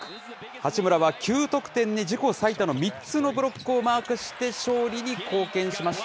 八村は９得点の自己最多の３つのブロックをマークして、勝利に貢献しました。